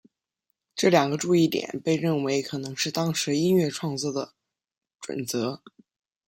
这两个注意点被认为可能是当时音乐创作的准则。